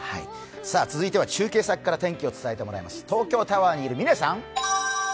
続いては中継先から天気を伝えてもらいます。